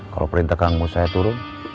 kalau perintah kangku saya turun